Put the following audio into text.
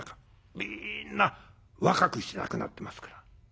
みんな若くして亡くなってますから。